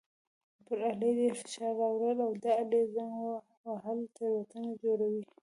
پر آلې ډېر فشار راوړل او د آلې زنګ وهل تېروتنه جوړوي.